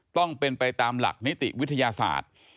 ต้องเป็นไปตามหลักนิติวิทยาศาสตร์